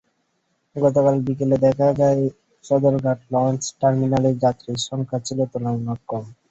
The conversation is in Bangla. গতকাল বিকেলে দেখা যায়, সদরঘাট লঞ্চ টার্মিনালে যাত্রীর সংখ্যা ছিল তুলনামূলক কম।